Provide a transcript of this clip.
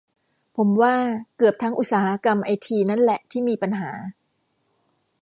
ผมว่าเกือบทั้งอุตสาหกรรมไอทีนั่นแหละที่มีปัญหา